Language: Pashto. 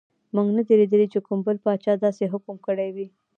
موږ نه دي لیدلي چې کوم بل پاچا داسې حکم کړی وي.